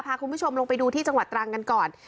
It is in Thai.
พาคุณผู้ชมลงไปดูที่จังหวัดตรังกันก่อน